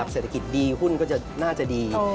เศรษฐกิจดีหุ้นก็น่าจะดี